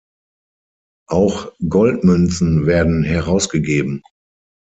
Auch Goldmünzen werden herausgegeben.